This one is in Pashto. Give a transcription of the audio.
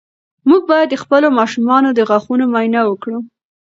موږ باید د خپلو ماشومانو د غاښونو معاینه وکړو.